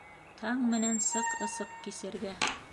Таң менән сыҡ ысыҡ кисергә